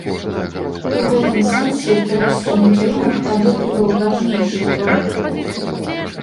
У гэтым сэнсе брэсцкі накірунак адыгрываў важнейшую ролю.